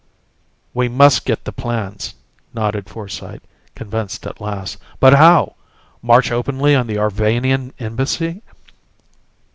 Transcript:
"We must get the plans," nodded Forsyte, convinced at last. "But how? March openly on the Arvanian Embassy?"